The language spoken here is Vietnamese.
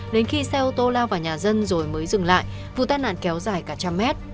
đến khi xe ô tô lao vào nhà dân rồi mới dừng lại vụ tai nạn kéo dài cả trăm mét